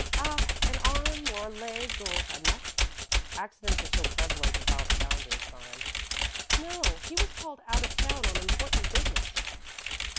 "Ah an arm, or a leg, or a neck. Accidents are so prevalent about Founder's time." "No; he was called out of town on important business."